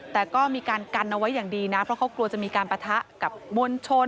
แต่ก็มีการกันเอาไว้อย่างดีนะเพราะเขากลัวจะมีการปะทะกับมวลชน